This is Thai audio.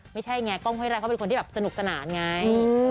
ไม่ใช่ไงกล้องห้วยไร่เขาเป็นคนที่แบบสนุกสนานไง